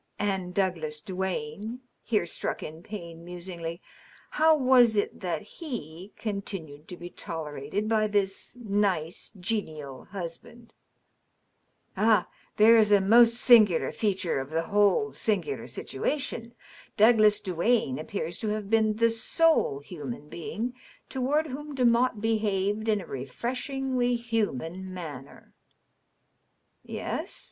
" And Douglas Duane .•" here struck in Payne, musingly. " How was it that he continued to be tolerated by this nice, genial husband ?"" Ah, there is a most singular feature of the whole singular situa tion. Douglas Duane appears to have been the sole human being to ward whom Demotte behaved in a refreshingly human manner." "Yes?"